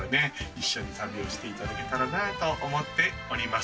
一緒に旅をしていただけたらなと思っております。